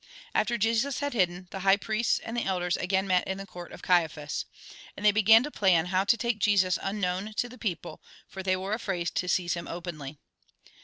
After Jesus had hidden, the high priests and the elders again met in the court of Caiaphas. And they began to plan how to take Jesus unknown to the people, for they were afraid to seize him openly.